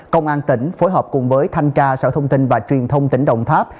công an tỉnh phối hợp cùng với thanh tra sở thông tin và truyền thông tỉnh đồng tháp